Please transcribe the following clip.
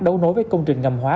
đấu nối với công trình ngầm hóa